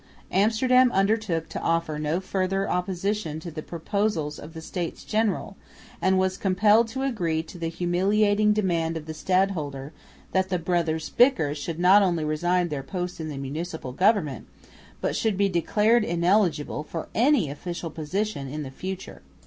Amsterdam undertook to offer no further opposition to the proposals of the States General, and was compelled to agree to the humiliating demand of the stadholder that the brothers Bicker should not only resign their posts in the municipal government, but should be declared ineligible for any official position in the future.